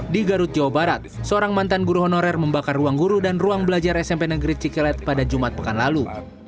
di garut jawa barat seorang mantan guru honorer membakar ruang guru dan ruang belajar smp negeri cikelet pada jumat pekan lalu